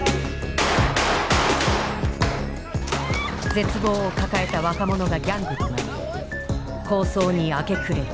絶望を抱えた若者がギャングとなり抗争に明け暮れる。